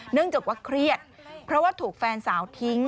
จากว่าเครียดเพราะว่าถูกแฟนสาวทิ้ง